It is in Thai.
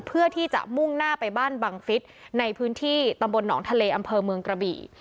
เพื่อที่จะมุ่งหน้าไปบ้านบังฟิศในพื้นที่ตำบลหนองทะเลอำเภอเมืองกระบี่